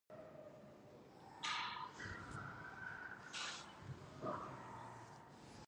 Don Alan Hankins was the original brewmaster and co-owner of the company.